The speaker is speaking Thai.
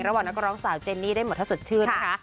ระหว่างนักร้องสาวเจนนี่ได้หมดถ้าสดชื่นนะคะ